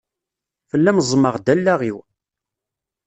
Fell-am ẓemmeɣ-d allaɣ-iw.